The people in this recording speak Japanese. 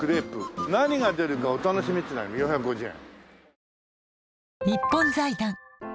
何が出るかお楽しみっていうのある４５０円。